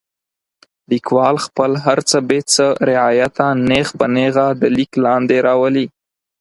لیکوال خپل هر څه بې څه رعایته نیغ په نیغه د لیک لاندې راولي.